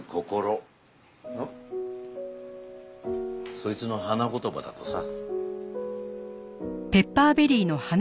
そいつの花言葉だとさ。